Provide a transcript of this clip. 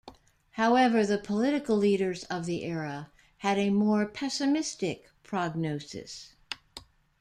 However, the political leaders of the era had a more pessimistic prognosis.